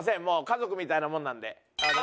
もう家族みたいなものなんで。